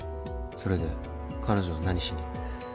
それで彼女は何しに？